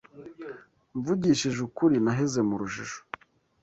Mvugishije ukuri, naheze mu rujijo.